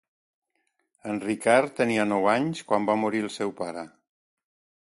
En Richard tenia nou anys quan va morir el seu pare.